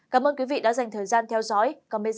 cảm ơn quý vị đã dành thời gian theo dõi